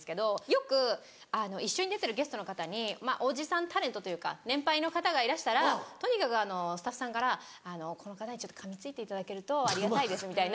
よく一緒に出てるゲストの方におじさんタレントというか年配の方がいらしたらとにかくスタッフさんから「この方にかみついていただけるとありがたいです」みたいな